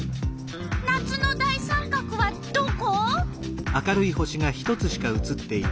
夏の大三角はどこ？